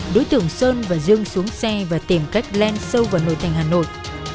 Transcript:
đối tượng sơn và dương xuống xe và tìm cách len sâu vào nội thành hà nội